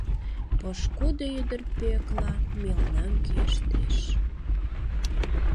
Пошкудо ӱдыр, Пӧкла, мелнам кӱэштеш.